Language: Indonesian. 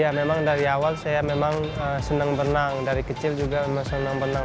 ya memang dari awal saya memang senang berenang dari kecil juga senang berenang